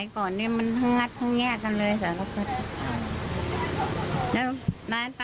ครับ